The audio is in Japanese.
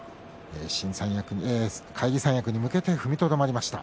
返り三役に向けて踏みとどまりました。